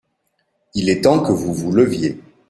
Il est temps que vous vous leviez.